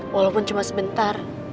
walaupun cuma sebentar